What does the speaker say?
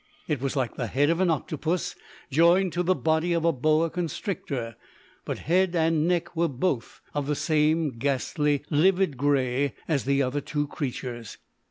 It was like the head of an octopus joined to the body of a boa constrictor, but head and neck were both of the same ghastly, livid grey as the other two creatures.